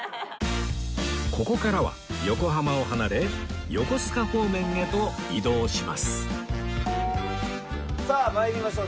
ここからは横浜を離れ横須賀方面へと移動しますさあ参りましょう。